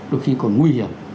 đôi khi còn nguy hiểm